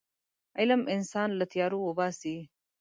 علم انسان له تیارو وباسي.